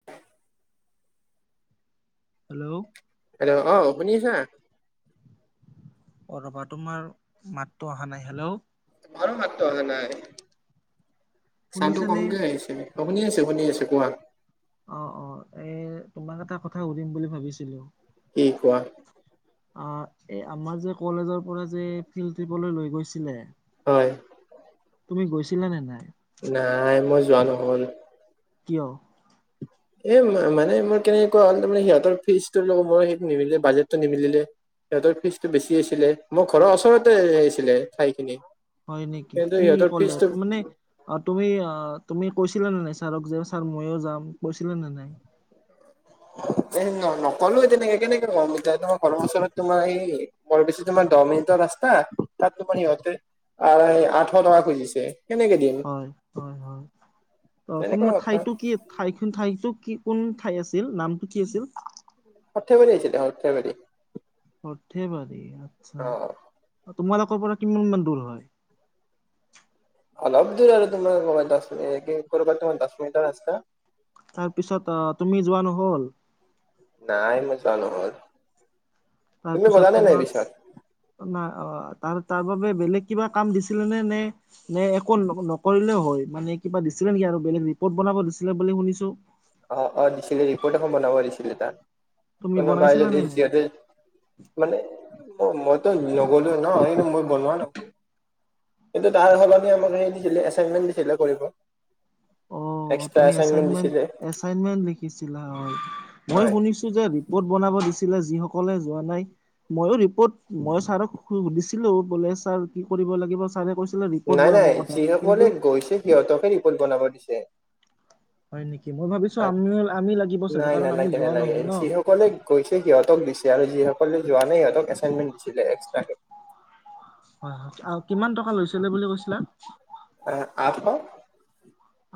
[inaudible] Hello. Hello অ', শুনিছা। অ', ৰবা তোমাৰ মাতটো অহা নাই হেল্ল'। তোমাৰো মাতটো অহা নাই চাউণ্ডটো শুনিছানে কমকে আহিছে। অ', শুনি আছোঁ শুনি আছোঁ কোৱা। অ', অ', এ তোমাক এটা কথা সুধিম বুলি ভাবিছিলোঁ। কি কোৱা। এই আমাৰ যে কলেজৰ পৰা যে ফিল্ড ট্ৰিপলৈ লৈ গৈছিলে হয়। তুমি গৈছিলা নে নাই? নাই মই যোৱা নহ'ল। কিয়? এ মানে মোৰ কেনেকুৱা হ'ল তাৰে সিহঁত ফিজটোৰ লগত মই সে নিমিলে বাজেটটো নিমিলিলে। সিহঁতৰ ফিজটো বেছি আছিলে মোৰ ঘৰৰ ওচৰতে আছিলে ঠাইখিনি। হয় নেকি কিন্তু কি সিহঁতৰ কলে ফিজটো ত' মানে অ', তুমি তুমি কৈছিলা নে নাই ছাৰক যে ছাৰ ময়ো যাম কৈছিলে নে নাই? এ ন নকলো তেনেকে কেনেকে কম এতিয়া তোমাৰ ঘৰৰ ওচৰত তোমাৰ এই বৰ বেছি তোমাৰ দহ মিনিটৰ ৰাস্তা তাত তোমাৰ ইহঁতে আ আঠশ টকা খুজিছে কেনেকে দিম হয়, হয়, হয় তেনেকুৱা তোমাৰ কথা ঠাইতো কি? ঠাইখন ঠাইতো কি কোন ঠাই আছিল নামটো কি আছিল? সথেবাৰী আছিলে সথেবাৰী। সৰ্থেবাৰী আচ্ছা অ তোমালোকৰ পৰা কিমান মান দূৰ হয়? অলপ দূৰ আৰু তোমাৰ মোৰ আন্দাজ একে ক'ৰবাত তোমাৰ দহ মিনিটৰ ৰাস্তা। তাৰপিছত অ', তুমি যোৱা নহ'ল। নাই মই যোৱা নহ'ল, তুমি গ'লা নাই নাই পিছত? নাই অ', তাৰ তাৰ বাবে বেলেগ কিবা কাম দিছিলে নে? নে একো নকৰিলে হয় মানে কিবা দিছিলে নেকি আৰু বেলেগ ৰিপৰ্ট বনাব দিছিলে বুলি শুনিছো? অ', অ' দিছিলে ৰিপৰ্ট এখন বনাব দিছিলে তাৰ। তুমি কোনো বাই বনাইছিলা নে নাই যদিহতে মানে অ' মইতো নগলো ন, মই বনোৱা নহয় কিন্তু তাৰ সলনি আমাক হেৰি দিছিলে এাচানমেন্ দিছিলে কৰিব। এক্সট্ৰা এছাইনমেণ্ট দিছিলে। এচাইনমেণ্ট লিখিছিলা হয়, মইয়ো হয় শুনিছি টো যে ৰিপৰ্ট বনাব দিছিলে যিসকলে যোৱা নাই মইয়ো ৰিপৰ্ট, মই ছাৰক সুধছিলো বোলে ছাৰ কি কৰিব লাগিব, ছাৰে কৈ নাই নাই যিসকলে গৈছে সিহঁতকে ৰিপৰ্ট বনাব দিছে। হয় নেকি মই ভাবিছো আমিও আমি লাগিব চাগে নাই কাৰণ নাই আমি লাগে নাই যোৱা লাগে নহল ন যিসকলে কৈছে সিহঁতক দিছে আৰু যিসকলে যোৱা নাই সিহঁতক এচাইনমেন্ট দিছিলে এক্সট্ৰাকে। হয়, হয় আৰু কিমান টকা লৈছিলে বুলি কৈছিলা? আঠশ।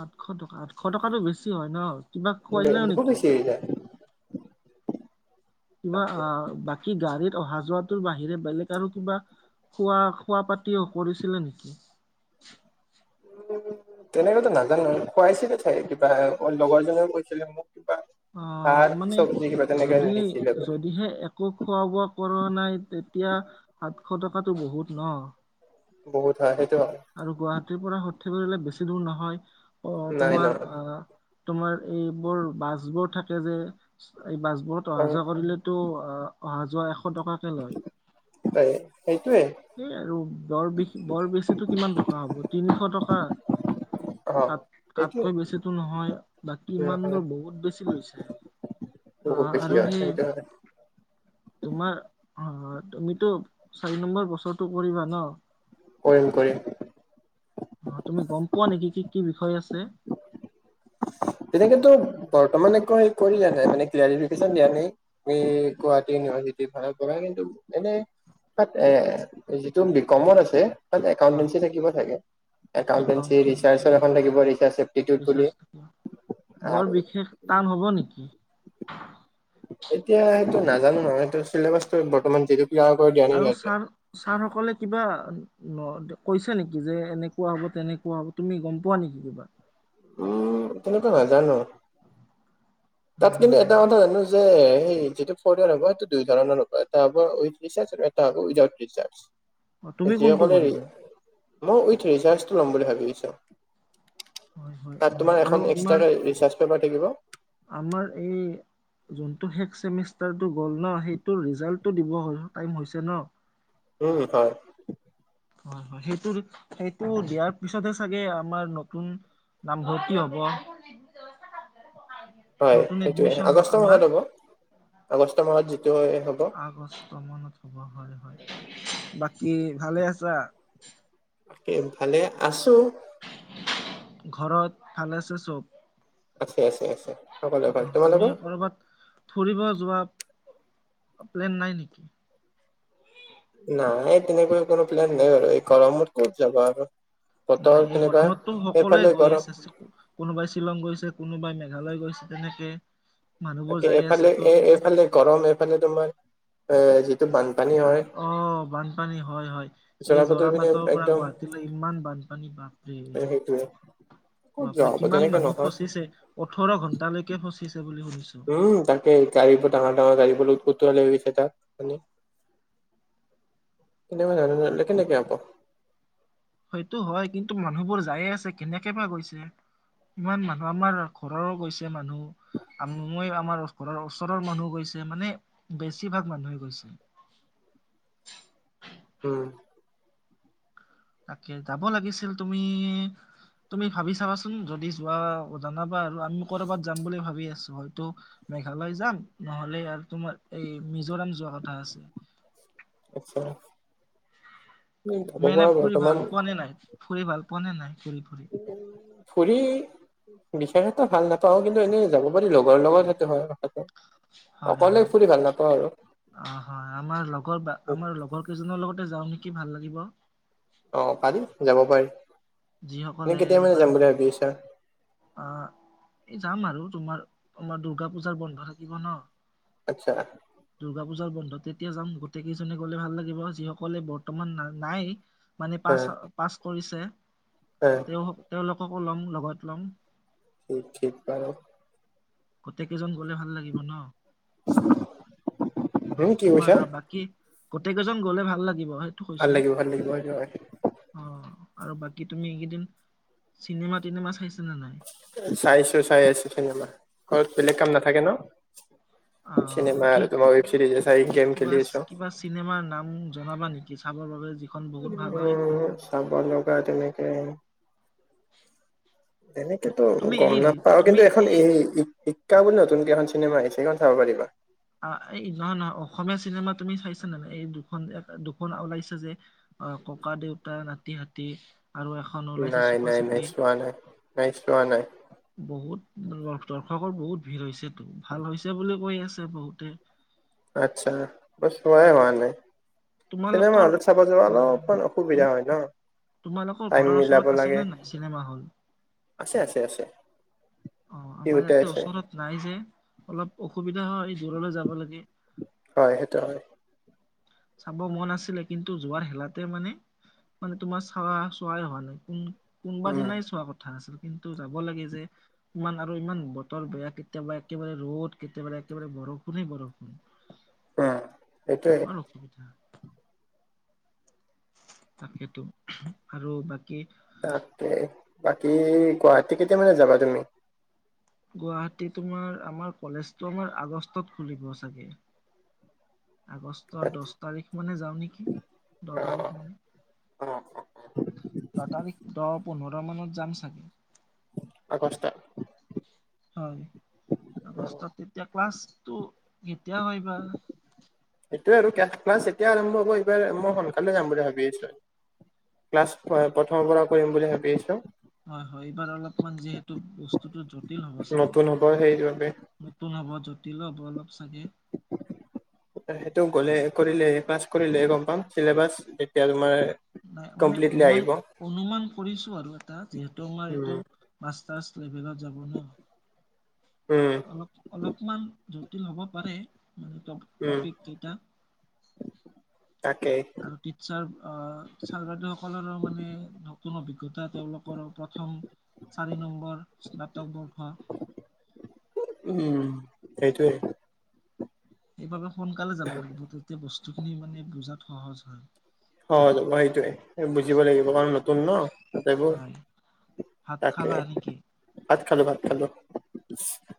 আঠশ টকা, আঠশ টকাতটো বেছি হয় ন, কিবা বে- খুৱালে বহুত নেকি? বেছি হৈ যায় কিবা তাকে আহ বাকী গাড়ীত অহা যোৱাটোৰ বাহিৰে বেলেগ আৰু কিবা? খোৱা খোৱা পাতিও কৰিছিলে নেকি? উম। তেনেকেতো নাজানো খুৱাইছিলে চাই কিবা লগৰ জনেও কৈছিলে মোক কিবা অ' ভাত মানে চব্জি কিবা তেনেকে যদি নিছিলে বোলে যদিহে আকৌ খোৱা বোৱা কৰা নাই তেতিয়া আঠশ টকাটো বহুত ন? বহুত হয়, সেইটো হয়। আৰু গুৱাহাটীৰ পৰা সৰ্থেবাৰী বাৰিলে বেছি দূৰ নহয়। আহ নাই তোমাৰ নহয় আহ তোমাৰ এইবোৰ বাছবোৰ থাকে যে, এই বাছবোৰত অ অহা যোৱা কৰিলে টো অ অহা যোৱা এশ টকা কে লয়, তাই সেইটোৱে সেই আৰু বৰ বে বৰ বেছিতো টকা হ'ব তিনিশ টকা অ তাত সেইটোৱে তাতকৈ বেছিটো নহয় বাকী ইমান নহয় বোৰ বহুত বেছি লৈছে। বহুত অ' বেছি আৰু হয় সেই সেইটো হয় তোমাৰ হয় হয়। তুমিতো চাৰি নম্বৰ বছৰটো কৰিবা ন? কৰিম, কৰিম। অ' তুমি গ'ম পোৱা নেকি কি কি বিষয় আছে? তেনেকেতো বৰ্তমান একো কৰিলানে নাই মানে ক্লাৰিফিকেশ্যন দিয়া নাই। মি গুৱাহাটী ইউনিভাৰ্চিটি ভাল পঢ়া কিন্তু এনে। তাত এ যিটো বিকমত আছে হয় একাউণ্টেিঞ্চ থাকিবা চগে, একাউণ্টেঞ্চি ৰিৰ্ছাছৰ এখন থাকিব ৰিৰ্ছাছ চবষ্টিটিউট ৰিচাৰ্চ বুলি থাকে। বৰ আৰু বিশেষ টান হ'ব নেকি? এতিয়া সেইটো নাজানো নহয় এইটো চিলেবাচটো বৰ্তমান যিটো কিউআৰ কৰি দিয়া। নাই আৰু সিহঁতে। ছাৰ ছাৰ সকলে কিবা কৈছে নেকি যে এনেকুৱা হ'ব তেনেকুৱা হ'ব তুমি গ'ম পোৱা নেকি কিবা? উম তেনেকুৱা নাজানো। তাত কিন্তু হয় এটা হয় কথা জানো যে সেই যিটো ৰ্ফট ইয়েৰ হ'ব, সেইটো দুই ধৰণৰ হ'ব, এটা হ'ব উইথ ৰিচাৰ্জ আৰু এটা হ'ব উইথআউট ৰিচাৰ্জ। অ তুমি কোনটো যিসকলে, কৰিবা? মই উইথ ৰিৰ্চাজ লম বুলি ভাবিছো। হয় হয় তাত হয় তোমাৰ আৰু এখন আমাৰ এক্সট্ৰাকে ৰিচাৰ্জ পেপাৰ থাকিব। আমাৰ এই যোনটো শেষ চেমিষ্টাৰটো গ'ল ন সেইটোৰ ৰিজাল্টটো দিব টাইম হৈছে ন? উম, হয়। হয়, হয় সেইটো সেইটো দিয়াৰ পিছতহে চাগে আমাৰ নতুন নামভৰ্তি হব। হয় নতুন সেইটোৱে এডমিশন আগষ্ট আমাৰ মাহত হ'ব, আগষ্ট মাহত যিটো হ'ব। আগষ্ট মানত হ'ব হয়, হয়। বাকী ভালে আছা? বাকী ভালে আছোঁ। ঘৰত ভালে আছে চব? আছে-আছে-আছে সকলোৱে ভাল। তুমি তোমালোকৰ? কৰ'বাত ফুৰিব যোৱা প্লেন নাই নেকি? নাই তেনেকৈ কোনো প্লেন নাই বাৰু, এই গৰমত ক'ত যাবা আৰু। বতৰ নাই-নাই, এই তেনেকুৱা গৰমততো সকলোৱে এইফালে গৈ গৰম আছে। কোনোবাই শ্বিলং গৈছে, কোনোবাই মেঘালয় গৈছে, তেনেকে। মানুহবোৰ তাকে যাই আছে এফালে ত এ-এইফালে গৰম, এইফালে তোমাৰ এ যিটো বান আৰু অহ, বানপানী হয়, হয়। জৰা এই পাতৰ পিনে যোৰাবাটৰ পৰা একদম গুৱাহাটীলৈ ইমান বানপানী পাম। এ সেইটোৱে। ক'ত যোৱা বাপৰে হ'ব কিমান তেনেকে মানুহ নহয় ফচিছে, ওঠৰ ঘন্টালৈকে ফচিছে বুলি শুনিছোঁ। উম, তাকে গাড়ীবোৰ ডাঙৰ-ডাঙৰ গাড়ীবোৰ ওটোৱালৈ গৈছে তাত মানে। [inaudible] [unintelligible] সেইটো হয়, কিন্তু মানুহবোৰ যায়ে আছে কেনেকে বা গৈছে। ইমান মানুহ আমাৰ ঘৰৰো গৈছে মানুহ। মই আমাৰ ঘৰৰ ওচৰৰ মানুহ গৈছে, মানে বেছিভাগ মানুহে গৈছে। উম। তাকে যাব লাগিছিল, তুমি তুমি ভাবি চাবাচোন, যদি যোৱা জনাবা আৰু আমি কৰ'বাত যাম বুলি ভাবি আছোঁ হয়তো মেঘালয় যাম নহ'লে আৰু তোমাৰ এই মিজোৰাম যোৱা কথা আছে। আচ্ছা উম, যাব তুমি এনে পৰা ফুৰি ভাল বৰ্তমান পোৱা নে নাই ফুৰি ভাল পোৱানে নাই ফুৰি-ফুৰি? ফুৰি বিশেষ এটা ভাল নাপাওঁ কিন্তু এনেই যাব পাৰি লগৰ লগত সেইটো হয় কথাটো। অকলে ফুৰি ভাল নাপাওঁ আৰু। অহ, হয় আমাৰ লগৰ বা আমাৰ লগৰ কেইজনৰ লগতে যাওঁ নেকি ভাল লাগিব। অহ, পাৰিম যাব পাৰি। যিসকলে এনেই কেতিয়া মানে যাম বুলি ভাবি আছা? অহ, এই যাম আৰু তোমাৰ, তোমাৰ দুৰ্গা পূজাৰ বন্ধ থাকিব ন'। আচ্ছা। দূৰ্গা পূজাৰ বন্ধ তেতিয়া যাম, গোটেই কেইজনে গ'লে ভাল লাগিব যিসকলে বৰ্তমান না-নাই। মানে পাছ-পাছ কৰিছে। হয়। তেওঁ-তেওঁলোককো ল'ম লগত ল'ম। ঠি-ঠিক বাৰু। গোটকেইজন গ'লে ভাল লাগিব ন'। হম কি কৈছা তোমাৰ আৰ বাকী, গোটেই কেইজন গ'লে ভাল লাগিব। ভাল লাগিব, ভাল লাগিব সেইটো হয়। অহ, আৰু বাকী তুমি এইকেইদিন, চিনেমা-টিনেমা চাইছানে নাই? চাইছোঁ চাই আছোঁ চিনেমা। ঘৰত বেলেগ কাম নাথাকে ন'। আহ চিনেমা কি আৰু তোমাৰ ৱেব চিৰিজ এ চাই গেম কিবা খেলি আছোঁ। কিবা চিনেমাৰ নাম জনাবা নেকি চাবৰ বাবে যি উম, চাব লগা তেনেকে [unintelligible] তেনেকেতো তুমি গম এই নাপাওঁ তুমি কিন্তু এখন এই বুলি নতুনকে এখন চিনেমা আহিছে, সেইখন চাব পাৰিবা। অহ, এই নহয়-নহয় অসমীয়া চিনেমা তুমি চাইছানে নাই, এই দুখন এক দুখন ওলাইছে যে। অহ, ককা-দেউতা নাতি-হাতী আৰু এখন ওলাইছে চুপা নাই-নাই-নাই চুপি চোৱা নাই, নাই চোৱা নাই। বহুত দ দৰ্শকৰ বহুত ভিৰ হৈছেতো। ভাল হৈছে বুলি কৈ আছে বহুতে আচ্ছা মই চোৱাই হোৱা নাই চিনেমা তোমালোকৰ হলত চাব যোৱা অ অলপমান অসুবিধা হয় ন। তোমালোকৰ টাইম ঘৰৰ মিলাব ওচৰত লাগে। আছেনে নাই চিনেমা হল? আছে আছে আছে অঁ, আমাৰ ইহঁতে ইয়াতে আছে ওচৰত নাই যে অলপ অসুবিধা হয় দূৰলৈ যাব লাগে। হয় সেইটো হয় চাব মন আছিলে কিন্তু যোৱাৰ এলাহতে মানে মানে তোমাৰ চৱা চোৱাই হোৱা নাই কোন কোনোবা উম দিনাই চোৱা কথা আছ কিন্তু যাব লাগে যে ইমান আৰু ইমান বতৰ বেয়া, কেতিয়াবা একেবাৰে ৰ'দ, কেতিয়াবাৰে একেবাৰে বৰষুণেই বৰষুণ। তে বৰ অসুবিধা। তাকেতো আৰু বাকী? তাকে, বাকী কোৱা তে কেতিয়া মানে যাবা তুমি? গুৱাহাটী তোমাৰ আমাৰ কলেজ তমাৰ আমাৰ আগষ্টত খুলিব চাগে। অ আগষ্টৰ দছ তাৰিখ মানে যাওঁ নেকি দহ তাৰিখ মানে। অঁ অঁ দহ তাৰিখ দহ, পোন্ধৰ মানত যাম চাগে। আগষ্ট। হয় আগষ্টত তেতিয়া ক্লাছটো। কেতিয়া কৰিবা সটোয়ে আৰু কাল ক্লাছ এতিয়া আৰম্ভ হ'ব, এইবাৰ মই সোনকালে যাম বুলি ভাবি আছো। ক্লাছ ‌প‌ এ প্ৰথমৰ পৰা কৰিম বুলি ভাবি আছো। হয় হয়। এইবাৰ অলপমান যিহেতু বস্তুটো জটিল হ'ব চাগে। নতুন হ'ব সেইবাবে নতুন হ'ব জটিলো হ'ব অলপ চাগে। সেইটো গ'লে কৰিলে পাছ কৰিলে গ'ম পাম চিলেবাছ যেতিয়া তোমাৰ নাই মানে কমপ্লিটলি অনুমান, আহিব অনুমান কৰিছো আৰু এটা যিহেতু আমাৰ উম এইটো মাষ্টাৰছ লেভেলত যাব ন। উম। অলপ অলপমান জটিল হ'ব পাৰে মানে। ‌ উম ত উম তাকেহে। আৰু টিটচাৰ আহ ছাৰ বাইদেও সকলৰো মানে নতুন অভিজ্ঞতা তেওঁলোকৰ প্ৰথম চাৰি নম্বৰ স্নাতক বৰ্ষ। উম সেইটোয়ে। সেইবাবে সোনকালে যাব লাগিব, তেতিয়া বস্তুখিনি মানে বুজাত সহজ হয়। সহজ হ'ব। সেইটোৱেই বুজিব লাগিব কাৰণ নতুন ন তাতেবোৰ হয় ভাত খালা নেকি? ভাত খালো, ভাত খালো।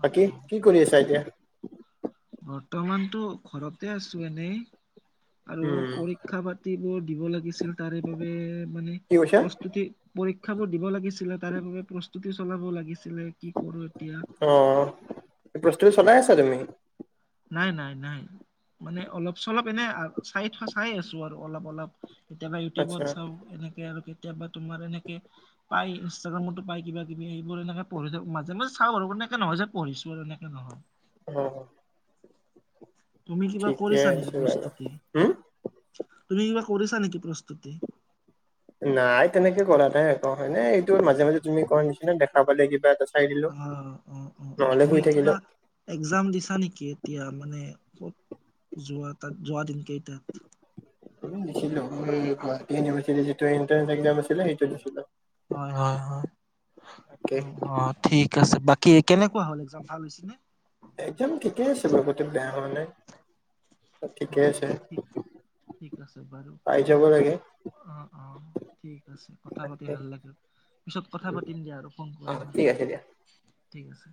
অ', বাকী অ', কি কৰি আছা এতিয়া? বৰ্তমানতো ঘৰতে আছো এনেই। আৰু উম পৰীক্ষা পাতিবোৰ দিব লাগিছিল, তাৰে বাবে মানে কি কৈছা প্ৰস্তুতি পৰীক্ষাবোৰ দিব লাগিছিলে তাৰে বাবে প্ৰস্তুতি চলাব লাগিছিলে, কি কৰো এতিয়া? অঁ, প্ৰস্তুতি চলাই আছা তুমি? নাই নাই নাই মানে, অলপ চলপ এনে আ চাই থোৱা চাই আছো আৰু অলপ অলপ। কেতিয়াবা ইউটিউবত আচ্ছা চাওঁ। এনেকে আৰু কেতিয়াবা তোমাৰ এনেকে পাই ইনষ্টাগ্ৰামতো পাই কিবা কিবি এইবোৰ এনেকে পঢ়ি থা, মাজে মাজে চাওঁ বাৰু এনেকে নহয় যে পঢ়িছো আৰু এনেকে নহয়। অঁ। তুমি কিবা ঠিকে কৰিছা নেকি আছে বাৰু প্ৰস্তুতি, হম তুমি কিবা কৰিছা নেকি প্ৰস্তুতি? নাই তেনেকে কৰা নাই একো, এনেই এইটোৰ মাজে মাজে তুমি কৰা নিচিনা দেখা পালে কিবা এটা- চাই দিলো অহ' অঁ অঁ অঁ, নহ'লে তুমি শুই থাকিলো কিবা- এক্জাম দিছা নেকি? এতিয়া মানে, যোৱা [inaudible] তাত যোৱা দিন কেইটাত দিছিলো, গুৱাহাটী ইউনিভাৰ্চিটিৰ যিটো এট্ৰেন্ একাম আছিলে, সেইটো দিছিলো। হয় হয় হয়, তাকে হয়। ঠিক আছে, বাকী কেনেকুৱা হ'ল এক্জাম ভাল হৈছে নে? একদম ঠিকে আছে, বগতে [inaudible] বেয়া হোৱা নাই। ঠিকে হয় আছে হয়, ঠিক ঠিক আছে বাৰু, পাই যাব তোমাল লাগে অ অ', ঠিক আছে, কথা পাতি তাকে ভাল লাগিল। পিছত কথা পাতিম দিয়া আৰু ফোন অ কৰিম আৰু ঠিক আছে দিয়া ঠিক আছে।